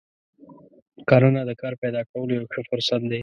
کرنه د کار پیدا کولو یو ښه فرصت دی.